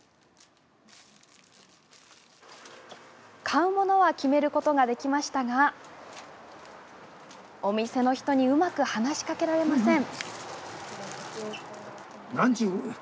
買うものは決めることができましたがお店の人にうまく話しかけられません。